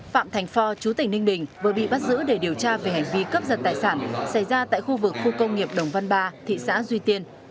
phạm thành phò chú tỉnh ninh bình vừa bị bắt giữ để điều tra về hành vi cướp giật tài sản xảy ra tại khu vực khu công nghiệp đồng văn ba thị xã duy tiên